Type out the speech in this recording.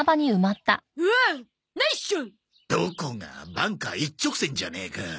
バンカー一直線じゃねえか。